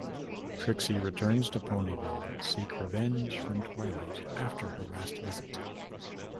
Trixie returns to Ponyville seek revenge from Twilight after her last visit.